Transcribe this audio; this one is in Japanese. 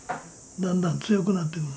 だんだん強くなってくる。